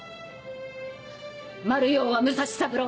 マル容は武蔵三郎。